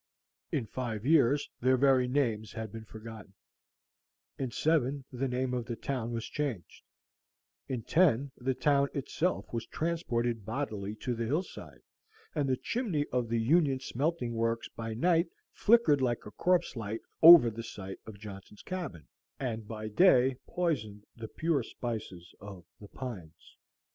In five years their very names had been forgotten; in seven the name of the town was changed; in ten the town itself was transported bodily to the hillside, and the chimney of the Union Smelting Works by night flickered like a corpse light over the site of Johnson's cabin, and by day poisoned the pure spices of the pines.